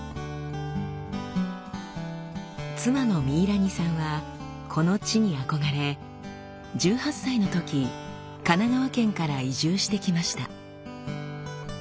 妻のミイラニさんはこの地に憧れ１８歳のとき神奈川県から移住してきました。